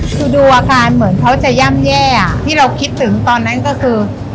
คือดูอาการเหมือนเขาจะย่ำแย่ที่เราคิดถึงตอนนั้นก็คือ